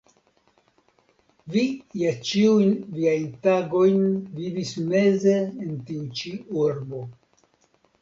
Vi ja ĉiujn viajn tagojn vivis meze en tiu ĉi urbo.